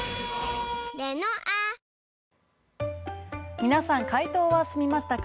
皆さん、解答は済みましたか？